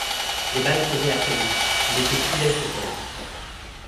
Les balles couraient après lui, il était plus leste qu'elles.